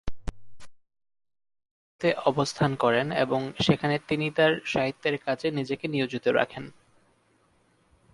তিনি ঐ স্থানগুলোতে অবস্থান করেন এবং সেখানে তিনি তার সাহিত্যের কাজে নিজেকে নিয়োজিত রাখেন।